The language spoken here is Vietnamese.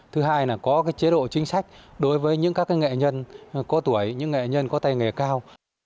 thứ hai là có chế độ chính sách đối với những các nghệ nhân có tuổi những nghệ nhân có tay nghề cao